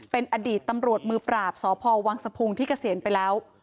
เป็นอดีตตำรวจมือปราบสพวังสะพุงที่เกษียณไปแล้ว